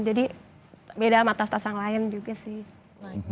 jadi beda sama tas tas yang lain juga sih